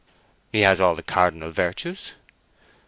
"He has all the cardinal virtues."